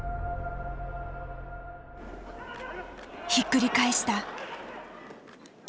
ひっくり返した。